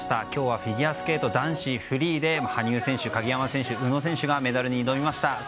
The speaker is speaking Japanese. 今日はフィギュアスケート男子フリーで羽生選手、鍵山選手、宇野選手がメダルに挑みました。